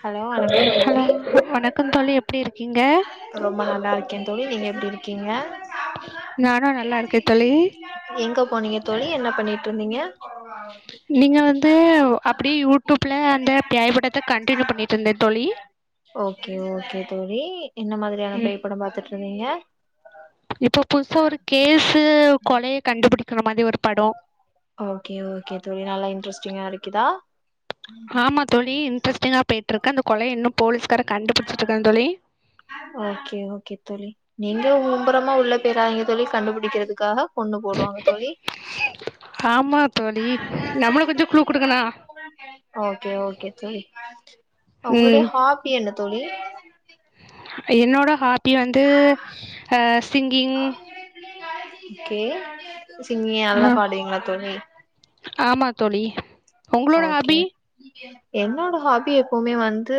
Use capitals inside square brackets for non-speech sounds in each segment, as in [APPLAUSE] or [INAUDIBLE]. Hello வணக்கம் hello தோழி வணக்கம் தோழி எப்டி இருக்கீங்க ரொம்ப நல்லா இருக்க தோழி நீங்க எப்படி இருக்கீங்க நானு நல்லா இருக்கே தோழி எங்க போனீங்க தோழி என்ன பண்ணிட்டு இருந்தீங்க நீங்க வந்து அப்படி யூடியூப்ல அந்த பியாபடத்த கண் கீழப் பண்ணிட்டு இருந்த தோலி ஓக்கே ஓக்கே தோழி என்ன மாதிரியான ம் பேய்ப்படம் பாத்துட்டுருக் [UNINTELLIGIBLE] இப்போ புதுசா ஒரு கேஸு கொலைய கண்டுபுடி ஓக்கே ஓக்கே தோழி நல்லா இன்ரஸ்ட் ங்க அடிக்கிதா ஆமா தோழி கிரிஸ்டினா போய்ட்ருக்க அந்த கொலைய இன்னு போலீஸ்கார கண்டுபுடிச்சுட்றாங்க தோழி ஓக்கே ஓக்கே தோழி நீங்கலு மும்பறமா உள்ளே பேராதிங்க தோழி கண்டுபிடிக்கிறதுக்காக கொன்னுபோடுவாங்க தோலி ஆமா தோழி நம்மளு கொஞ்சோ குழு குடுக்கணு ஒக்கே ஒக்கே தோலி உங்களுடைய ம் ஆஃபி என்ன தோலி என்னோட ஹா ப்பி வந்து ஹ சிங்கிங் கே சிங்கிய நல்லா பாடுவீங்களா தோழி தோளி ஓகே என்னோட ஹாபி எப்பவுமே வந்து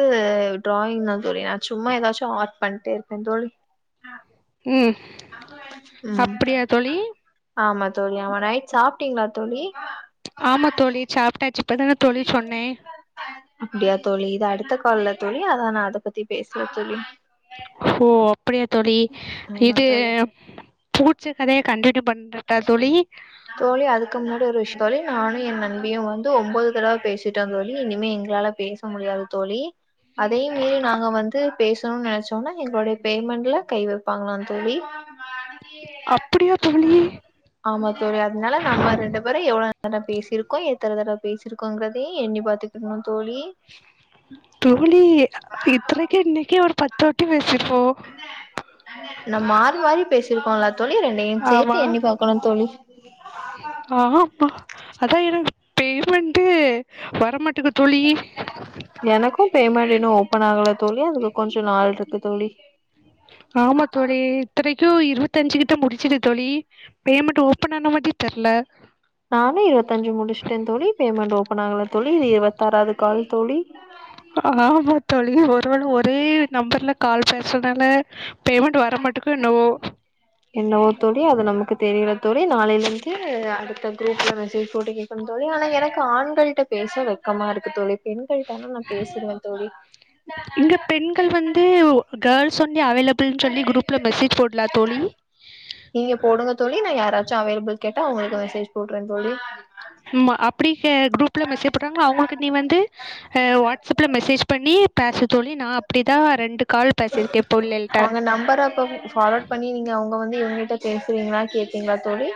டிராயிங் தா தோழி நா சும்மா ஏதாச்சு ஆர்ட் பண்ட்டே இருப்ப தோழி உம் ம் அப்படியா தோழி ஆமா தோழி ஆமா நைட் சாப்ட்டீங்களா தோழி ஆமா தோழி சாப்ட்டாச்சு இப்பதான தோழி சொன்னே டுத்த காால்ல தோழி அத நா அத பத்தி பேசல தோழி ஓ அப் அப்படியா தோழி ஆமா இது தோழி பூ மிச்ச கதையை கண்டினியூ பன் தோழி அதுக்கு முன்னாடி ஒரு விஷய தோழி நானும் எ நண்பியும் வந்து ஒம்போது தடவை பேசிட்டோ தோழி இனிமே எங்களால பேச முடியாது தோழி அதையு மீறி நாங்க வந்து பேச னொன் நெனைச்சோம்னா எங்களொடைய பேமெண்ட்ல கை வெப்பாங்களா தோழி அப்படியா தோழி ஆமா தோழி அதனால நம்ம ரெண்டு பேரு எவ்வளோ நேர பேசிருக்கோம் எத்தன தடவ பேசிருக்கோங்கிறதையும் எண்ணி பாத்துக்கோங்க தோழி இத்தனைக்கு இன்னைக்கே ஒரு பத் து வாட்டி பேசி நா மாறி மாறி பேசி இருக்கோல தோழி என்னையும் சேர்த்து என்னி பாக்கணும் தோழி ஆஹ் அப்பா அதான் எனக்கு பேமெண்டே வரமாட்டங்து எனக்கும் பேமெண்ட் இன்னும் ஓபன் ஆகல தோழி அதுக்கு கொஞ்ச நாள்ருக்கு தோழி ஆமா தோழி இத்தனைக்கு இருபத்தஞ்சு கிட்ட முடிச்சுட்ட தோழி பேமெண்ட் ஓபன் ஆன மாட்டி தெர்ல நானு இருபத்தஞ்சு முடிச்சுட்டே தோழி பேமெண்ட் ஓபன் ஆகல தோழி இது இருபத்தாறாவது கால் தோழி ஆஹ் ஆமா தோழி ஒரு தோழி ஒரே நம்பர்ல கால் பேசுறதுனால பேமெண்ட் வர மாட்டக்கோ என்னவோ என்னவோ தோழி அது நமக்கு தெரில தோழி நாளையிலெந்து அது அந்த குரூப்ல மெசேஜ் போட்டு கேக்கணு தோழி ஆனா எனக்கு ஆண்கள்ட்ட பேச வெக்கமா இருக்கு தோழி. பெண்களட்டனா நா பேசிருவே தோழி. இங்க லி அவைலபிள்னு சொல்லி குரூப்ல மெசேஜ் போடலா தோழி நீங்க போடுங்க தோழி நா யாராச்சு அவைலபிள் கேட்டா உங்களுக்கு மெசேஜ் போடுறே தோழி. ம்மா அப்படி ச குரூப்ல மெசேஜ் போட்டாங்கனா அவங்களுக்கு நீ வந்து வாட்ஸ்அப்ல மெசேஜ் பண்ணி பேச சொல்லி நா அப்படிதா ரெண்டு கால் பேசியிருக்கேன் புள்ளைகள்ட்ட அவங்க நம்பரா இப்ப ஃபார்வர்ட் பண்ணி நீங்கவுங்க அவங்க எங்கிட்ட பேசுறீங்களா கேப்பீங்களா தோழி.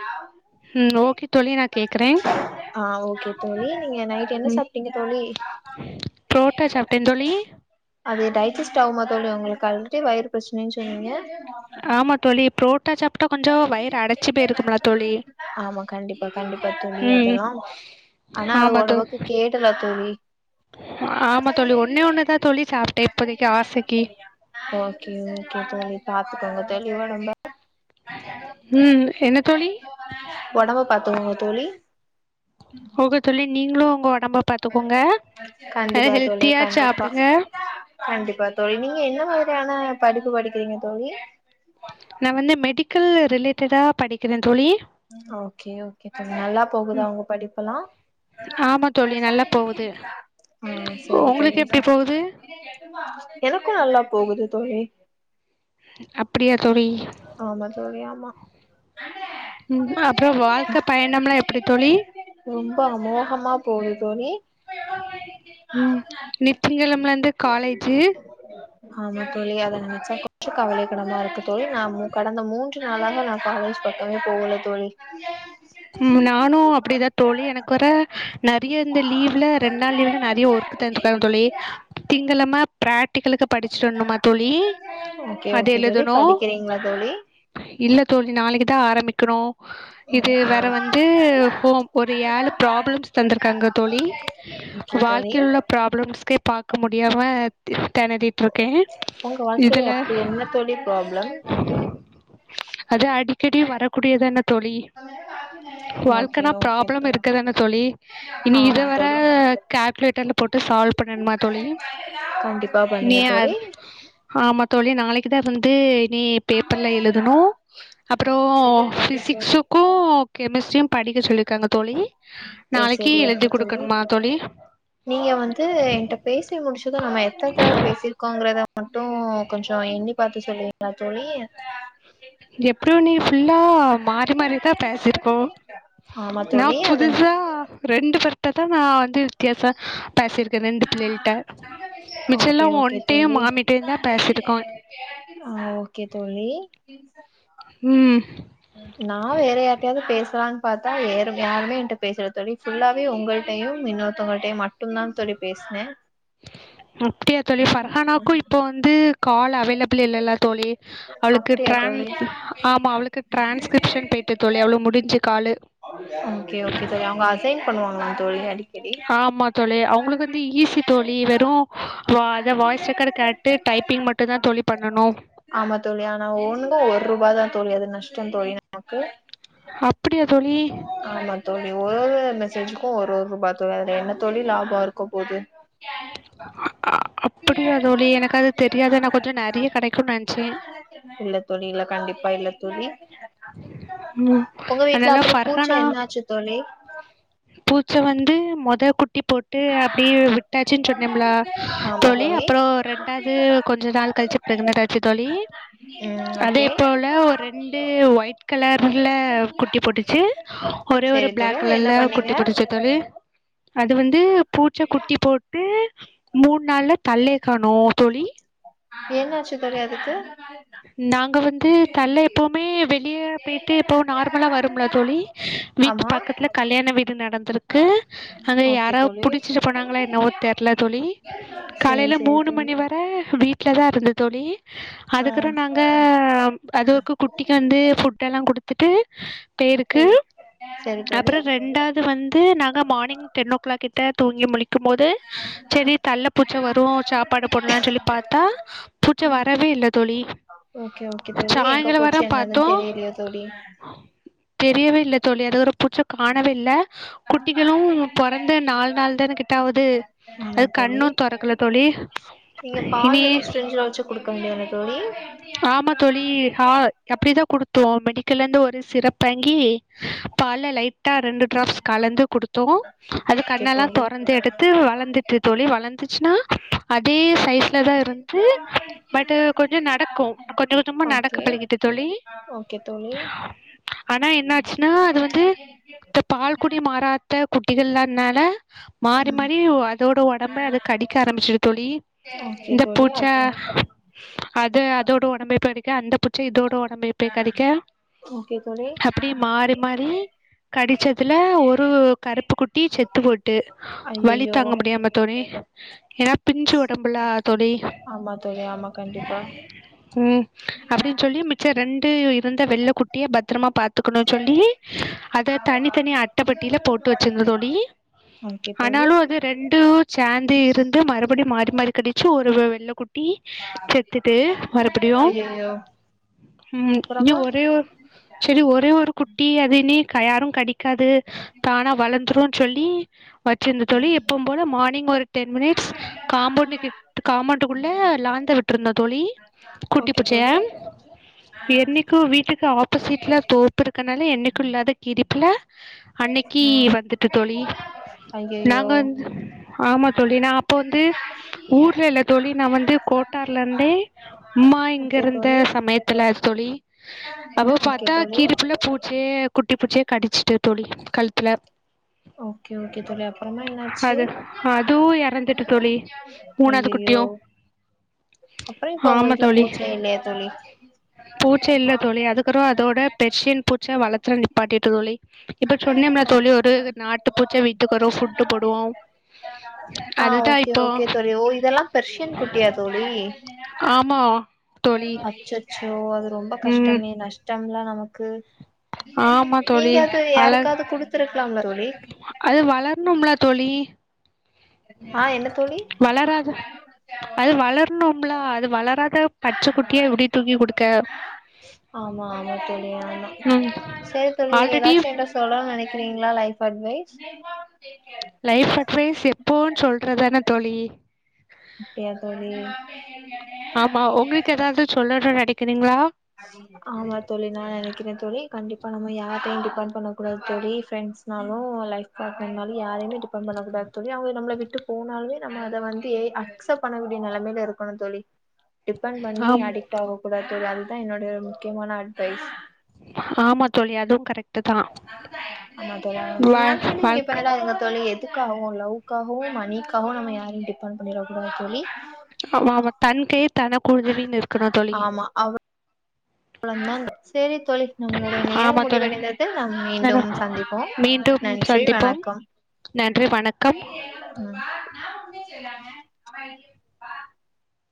உம் ஓகே தோழி நா ஆஹ் ஓகே தோழி நீங்க நைட்டு என்ன ம் சாப்ட்டீங்க தோழி புரோட்டா சாப்ட்டேன் தோழி அதே டயட் ஜஸ்ட் ஆகுமா தோழி உங்களுக்கு ஆல்ரெடி வயறு பிரச்சனைன்னு சொன்னீங்க. ஆமா தோழி ப்ரோட்டா சா ஆமா கண்டிப்பா கண்டிப்பா தோழி ம் அதெல்லா ஆனா அது ஆமா தோழி உணவுக்கு கேடல தோழி ஆமா தோழி ஒன்னே ஒண்ணுதா தோழி சாப்ட்டேன் இப்போதைக்கு ஆசைக்கு ஓகே ஓகே தோழி. பாத்துக்கோங்க தோழி ஒடம்ப ம் என்ன தோழி ஒடம்ப பாத்துக்கோங்க தோழி ஓகே தோழி நீங்களும் உங்க ஒட் கண்டிப்பா தோழி ஹெல்த்தியா கண்டிப்பா சாப்டுங்க கண்டிப்பா தோழி நீங்க என்ன மாதிரியான படுப்பு படிக்கிறீங்க தோழி நா வந்து மெடிக்கல் ரிலேட்டடா படிக் க்கிறே தோழி ஓகே ஓகே தோழி நல்லா போகுதா ம் உங்க படிப்பெல்லா ஆமா தோழி நல்லா போகுது ம் செரி தோழி உங்களுக்கு செ எப்டி போகுது எனக்கும் நல்லா போகுது தோழி அப்படியா ஆமா தோழி ஆமா ம் அப்றோ வாழ்க்க பயணம்லா எப்டி தோழி ரொம்ப அமோகமா போகுது தோழி ம் இன்னைக்கு திங்களம்லருந்து காலேஜு ஆமா தோழி அத நெனைச்சா கொஞ் கவலைக்கிடமா இருக்கு தோழி நா மு கடந்த மூன்று நாளாக நா காலேஜ் பக்கமே போகல தோழி ம் நானு அப்படிதா தோழி எனக்கு வேற இப்பயே இந்த லீவ்ல ரெண்ட் நாள் லீ்வ்ல நெறைய ஒர்க் தந்துருக்காங்க தோழி திங்கெழம ப்ரக்ட்டிகளுக்கு படிச்சட்டு வரணுமா தோழி ஓகே அது ஓகே தோழி எழுதணு படிக்கிறீங்களா தோழி இல்ல தோழி நாளைக்கு தா ஆரம்பி க்குறோ இது ஓகே வேற வந்து ஹோம் ஒரு ஏழு ப்ராப்ளம்ஸ் தந்திருக்காங்க தோழி ஓகே தோழி வாழ்க்கையில ப்ராப்ளம்ஸ்கே பாக்க முடியாம தெனறிட்ருக்கே உங்க வாழ்க்கையில இதுல எப்டி என்ன தோழி ப்ராப்ளம் அது அடிக்கடி வரக்கூடியது தான தோழி ஓகே வாழ்க்கனா ஓகே ப்ராப்ளம் தோழி இருக்கு தான தோழி இனி ஆமா இதுவர தோழி கே வீட்டான்ட போட் சால்வ் பண்ணனுமா தோழி கண்டிப்பா இனி பண்ணுங்க தோழி அத் ஆமா தோழி நாளைக்கு தான் வந்து நீ பேப்பர்ல எழுதனு அப்புறோ செரி தோழி பிசிக்ஸ்ஸு செரி ஓ ஓகோ கெமிஸ்ட்ரியும் படிக்க சொல்லிருக்காங்க தோழி ம் செரி நாளைக்கு செரி எழுதி ஓகே தோழி குடுக்கணுமா தோழி நீங்க வந்து என்ட பேசி முடிச்சுல்லாமே எத்தனதரவ பேசிருக்கோங்கறத மட்டு கொஞ்சோ எண்ணிப் பாத்து சொல்லுவீங்களா தோழி எப்டியு நீ ஃபுல்லா மாறி மாறிதான் பேசிருக்கோம் ஆமா தோழி நான் அது புதுசா ரெண்டு பேரு இப்பதா நான் வந்திருக்கேன் சார் பேசிருக்கே ரெண்டு பிள்ளைள்ட்ட மிச்செல்லா ஓகே ஓகே ஒன்டையு தோழி மாமிட்டையு தா பேசிட்ருக்கோ ஆ ஓகே தோழி நா வேற யாருட்டையாவது பேஸ் கற்கலாம் பாத்தே யார் யாருமே என்ட்ட பேசல தோழி ஃபுல்லாவே உங்கள்ட்டையும் இன்னொருத்தவங்கள்ட்டையும் மட்டும்தான் தோழி பேசனே அப்பிடியா தோழி பர்ஹானாவுக்கு இப்போ வந்து காலர் அவைலபல் இல்லல்ல தோழி அவளுக்கு அப்டியா டிரான் தோழி ஆமா அவளுக்கு டிரான்ஸ்கிரிப்ஷன் போய்ட்டு தோழி அவுளுக்கு முடிஞ்சு காலு ஓகே ஓகே தோழி அவுங்க அசைன் பண்ணுவாங்க தோழி அடிக்கட் ஆமாம் தோழி அவங்களுக்கு வந்து ஈஸி தோழி வெறும் வா அதை வாய்ஸ் ரெக்கார்டு கேட்டு டைப்பிங் மட்டும்தான் தோழி பண்ணணும் ஆமா தோழி ஆனா ஒண்ணுங்க்கா ஒரு ரூபாய தா தோழி அது நஷ்டம் தோழி நமக்கு அப்பிடியா ஆமா தோழி ஒரு ஒரு மி சஜூக்கு ஒரு ஒரு ரூபா தோழி அதுல என்ன தோழி லாபோ இருக்க போது [UNINTELLIGIBLE] அப்படியா தோழி எனக்கு அது தெரியாது நான் கொஞ்சம் நிறைய கிடைக்கும்னு நினச்சேன் இல்ல தோழி இல்ல கண்டிப்பா இல்ல தோழி ம் உங்க வீட்ல அதெல்லா அப்புறம் பூச்சா பர்ஹானா என்ன ஆச்சு தோழி பூச்ச வந் டு மொத குட்டி போட்டு அப்டியே விட்டாச்சுன் சொல் நெபுளா தோழி அப்புறோ ரெண்டாது கொஞ்ச நாள் கழிச்சு பிரக்னன்ட் ஆச்சு தோழி ம் அதே ஓகே போல ஒர் ரெண்டு சேவ் ஒயிட் கலர்ல குட்டி போட்டுச்சு ஒரே ஒரு சரி தோழி பிளாக் அது என்ன கலர்ல பண்ணீங்க குட்டி போட்டுச்சா தோழி அது வந்து பூச்சா குட்டி போட்டு மூண் நாள்லே தள்ளே காணு தோழி என்னாச்சு தெரியா அதுக்கு நாங்க வந்து தள்ள எப்பமே வெளியே போய்ட்டு எப்பவு நார்மலா வரும்ல தோழி வீட்டு ஆமா பக்கத்துல கல்யாண வீடு நடந்திருக்கு அங்க ஓகே யாரோ தோழி புடிச்சிட்டு போனாங்களா என்னவோ தெர்ல தோழி சேரி காலையில சேரி மூணு தோழி மணி வர வீட்ல தா இருந்த தோழி ஆ இருக்குறோ நாங்க அதுவக்கு குட்டிக்கு வந்து ஃபுட் எல்லா குடுத்துட்டு தேயிருக்கு சேரி சேரி தோழி அப்பற ரெண்டாவது வந்து நாங்க மார்னிங் டென்னோ கிளாக் த தூங்கி முழிக் இருக்கு போது செரி தள்ள பூச்ச வரு சாப்பாடு போடலாம்னு சொல்லி பாத்தா பூச்ச வரவே இல்ல தோழி ஓகே ஓகே தோழி எங்க சாய்ந்தர வர போச்சு பாத்தோ என்னதுன்னு தெரியலையே தோழி தெரியவே இல்ல தோழி அது ஒரு புச்ச காணவில்ல குட்டிகளு பொறந்த நால் நாள்தானே [UNINTELLIGIBLE] அது கண்ணோ தொறக்ல தோழி நீங்க இனி பால் எதுவும் ஸ்ட்ரிஞ்சுல வச்சு குடுக்க முடியாதா தோழி ஆமா தோழி ஆ அப்டிதா குடுத்தோ மெடிக்கலந்து ஒரு சிரப் பாங்கி பால்ல லை டா ரெண்டு டிராப்ஸ் கலந்து குடுத்தோ அது கண்ணெல்லா தொறந்து எடுத்து வளந்துட்டு தோழி வளந்து சுனா அதே சைஸ்லதா இருந்ச்சி பட்டு கொஞ்சோ நடக்கோ கொஞ்ச கொஞ்சமா நடக்க ஓகே பழகிட்டு தோழி ஓகே தோழி ஆனா என்னாச்சுனா அது வந்து இந்த பால்குடிய மறாத்த குட்டிகள் இல்லாத்னால மாறி ம் மாறி உ அதோட ஒடம்ப அது கடிக்க ஆரம்பிச்சிரு தோழி ஓகே இந்த தோழி பூச்ச அப்றோ அத அதோட ஒடம்ப [UNINTELLIGIBLE] அந்த புச்சி இதோட ஒடம்பயு போய் கடிக்க ஓகே தோழி அப்டி மாறி மாறி கடிச்சதுல ஒரு கருப்பு குட்டி செத்து போட்டு வலி ஐயையோ தாங்க முடியாம தோழி ஏனா பிஞ்சு ஒடம்புலா தோழி ஆமா தோழி ஆமா கண்டிப்பா உம் அப்டின் சொல்லி மிச்ச த ரெண்டுயு இருந்த வெள்ள குட்டிய பத் திரமா பாத்துகுனோனு சொல்லி அத தனித்தனி அட்டப்பெட்டில போட்டு வச்சிந்தோ தோழி ஓகே தோழி ஆனாலு அது ரெண்டொ சேந்து இருந்து மறுபடியு மாறி மாறி கடி சு ஒரு வெ வெள்ள கு டி செத்துட்டு மறுபுடியோ ஐயையோ உம் இன்யு அப்புறமா ஒரே ஒரு செரி ஒரே ஒரு குட்டி அது நி கயாரும் கடி கது தானா வளந்துரோன்னு சொல்லி வச்சிந்த தோழி எப்பம்போல மார்னிங் ஒரு டென் மினிட்ஸ் காம்போண்டு கிட் காம்போண்டுக்குள்ள லாந்த விட் ன்ன தொழி ஓகே குட்டி தோழி [UNINTELLIGIBLE] என்னிக்கு வீட்டுக்கு ஆப்போசிட்ல தோப்பு இருக்கனால என்னிக்கு இல்லாத கீறி ப்பிள்ள அன்னைக்கி ஆ வந்துட்டு தோழி ஐயையோ நாங்க வந்து ஆமா தோழி நா அப்போ வந்து ஊர்ல இல்ல தோழி நா வந்து கோ தார்ல இந்தே அம்மா இங்க ஓகே இருந்த தோழி சமயத்துல தோழி அபோ ஓகே பாத்தா தோழி கீறிப்புள்ள பூட்ச்சே த குட்டி புச்சியே கடிச்சுட்டு தோழி கழ்த்துல ஓகே ஓகே தோழி அப்பறமா என்னாச்சு அது அதுவு எறந்துட்டு தோழி மூணாவது அய்யய்யோ குட்டியு ஆமா தோழி தோழி பூச்சே இல்ல தோழி அதுக்கறவ அதோட பெர்சியன் பூச்சா வளர்த்தற நிப்பாட்டிட் தோழி இப்ப சொன்னம்ளே தோழி ஒரு விட் நாட்டு பூச்ச வித்துக்கறோ ஃபுட்ட போடுவோ ஆ அதுதா ஓகே இப்போ ஓகே ம் ஆமா தோழி அச்சச்சோ அது ரொம்ப ம் கஷ்டமே நஷ்டம்லா நமக்கு ஆமா தோழி அல யாருக்காது குடுத்திரு அது வளர்ணும்ல தோழி ஆ என்ன தோழி வளராத அது வளர்ணு ம்ல அது வளரா ஆமா ஆமா தோழி ஆமா ம் சரி தோழி நீங்க ஆல்ரெடி எதாச்சு என்ட சொல்லனு நெனை ங்களா லைஃப் அட்வைஸ் லைஃப் அட்வைஸ் எப்போன் சொல்றதானே தோழி அப்டியா தோழி ஆமா உங்களுக்கு ஏதாவது சொல்லணும்னு நெனைக்கிறீங்களா ஆமா தோழி நா நெனைக்குறே தோழி கண்டிப்பா இப்ப நம்ம யாரையு டிபெண்ட் பண்ணக்க கூடாது தோழி ஃப்ரெண்ட்ஸ்னாலு லைஃப் பாட்னர்னாலு யாரையுமே டிபெண்ட் பண்ணக்க கூடாது தோழி அவங்க நம்ள விட்டு போனாலுமே நம்ம அத வந்து எத் அக்செப்ட் பண்ணக்கூடிய நெலமைல இருக்கணு தோழி டிபெண்ட் பண்ணி ஆம் அடிக்ட்டாக கூடாது [UNINTELLIGIBLE] இதா என்னோடைய ஒரு முக்கியமான அட்வைஸ் ஆமா தோழி அதுவும் கரெக்ட் தான் ஆமா தோழி வா பினான்சியலி வாழ்க் இபெண்டா இருங்க தோழி எதுக்காகவு லவ்காகவு மணிக்காகவு நம்ம யாரையு டிபெண்ட் பண்ணிட கூடாது தோழி ஆமா ஆமா தன் கை தனக்குதவினு இருக்கணு தோழி [UNINTELLIGIBLE] சேரிங் தோழி நம்ளுடைய ஆமா நேரம் தோழி முடிவடைந்தது நாம் நன்றி. மீண்டும் சந்திப்போம் மீண்டும் நன்றி சந்திப்போம் வணக்கம் நன்றி வணக்கம் ம் [UNINTELLIGIBLE]